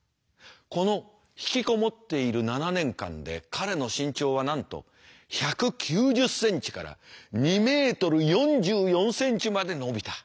この引きこもっている７年間で彼の身長はなんと１９０ｃｍから２ｍ４４ｃｍまで伸びた。